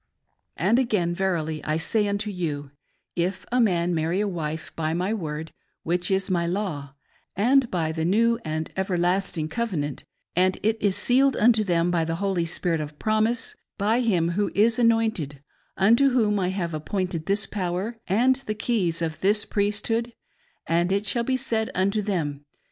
6. And again, verily I say unto you, if a man marry a wife by my word, which is my law, and by the new and everlasting covenant, and it is sealed unto them by the Holy Spirit of promise, by him who is anointed, unto whom I have appointed this power, and the keys of this priesthood, and it shall be said unto them.